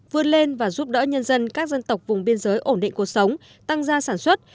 vươn lên và giúp đỡ nhân dân các dân tộc vùng biên giới ổn định cuộc sống tăng gia sản xuất